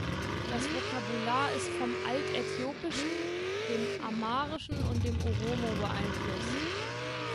Das Vokabular ist vom Altäthiopischen, dem Amharischen und dem Oromo beeinflusst.